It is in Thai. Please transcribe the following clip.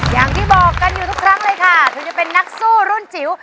อย่างที่บอกกันอยู่ทุกครั้งเลยค่ะถึงจะเป็นนักสู้รุ่นจิ๋ว